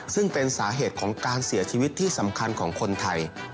ซึ่งเป็นสาเหตุของการเสียชีวิตที่สำคัญของคนไทย